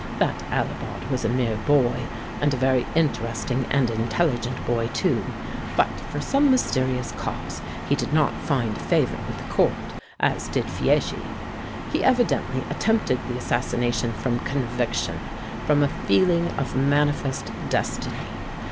That Alibaud was a mere boy, and a very interesting and intelligent boy, too; but for some mysterious cause he did not find favor with the court, as did Fieschi. He evidently attempted the assassination from conviction, from a feeling of manifest destiny.